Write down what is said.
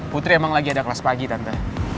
putri emang lagi ada kelas pagi tante